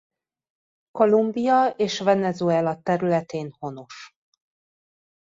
Kolumbia és Venezuela területén honos.